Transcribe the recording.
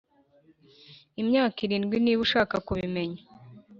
imyaka irindwi, niba ushaka kubimenya.